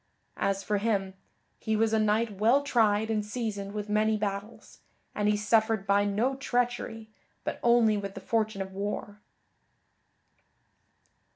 As for him, he was a knight well tried and seasoned with many battles, and he suffered by no treachery but only with the fortune of war."